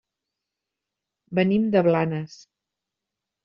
Venim de Blanes.